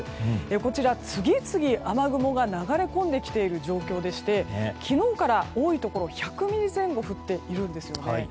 こちら次々、雨雲が流れ込んできている状況でして昨日から多いところで１００ミリ前後降っているんですね。